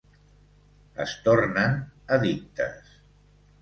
Es tornen addictes.